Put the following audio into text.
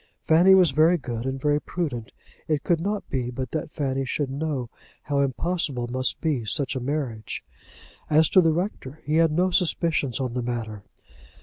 Fanny was very good and very prudent. It could not be but that Fanny should know how impossible must be such a marriage. As to the rector, he had no suspicions on the matter.